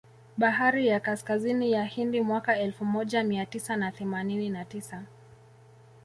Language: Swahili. Bahari ya Kaskazini ya Hindi mwaka elfu moja mia tisa na themanini na tisa